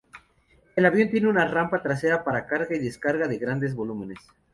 El avión tiene una rampa trasera para carga y descarga de grandes volúmenes.